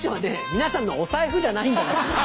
皆さんのお財布じゃないんだから。